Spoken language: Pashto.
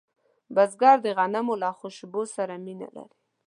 بزګر د غنمو له خوشبو سره مینه لري